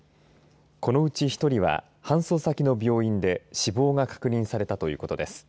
このうち１人は、搬送先の病院で死亡が確認されたということです。